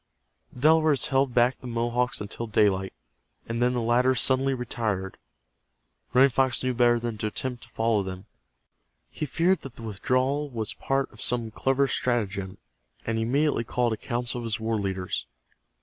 The Delawares held back the Mohawks until daylight, and then the latter suddenly retired. Running Fox knew better than to attempt to follow them. He feared that the withdrawal was part of some clever stratagem, and he immediately called a council of his war leaders.